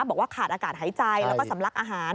บอกว่าขาดอากาศหายใจแล้วก็สำลักอาหาร